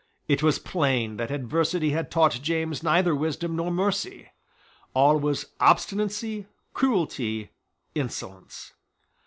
It was plain that adversity had taught James neither wisdom nor mercy. All was obstinacy, cruelty, insolence.